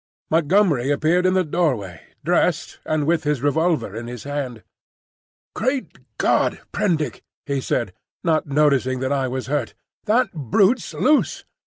Montgomery appeared in the doorway, dressed, and with his revolver in his hand. "Great God, Prendick!" he said, not noticing that I was hurt, "that brute's loose!